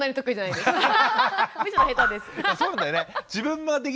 そうだよね。